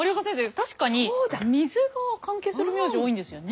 確かに水が関係する名字多いんですよね。